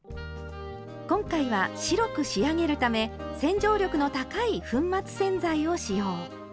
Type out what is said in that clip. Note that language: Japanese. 今回は白く仕上げるため洗浄力の高い粉末洗剤を使用。